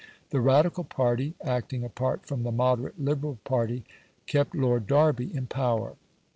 The Radical party, acting apart from the moderate Liberal party, kept Lord Derby in power.